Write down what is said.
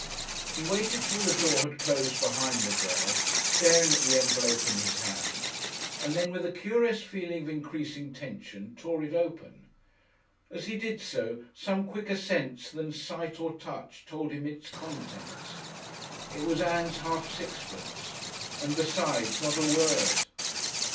He waited till the door had closed behind the girl, staring at the envelope in his hand, and then, with a curious feeling of increasing tension, tore it open. As he did so, some quicker sense than sight or touch told him its contents. It was Ann's half sixpence. And, besides, not a word!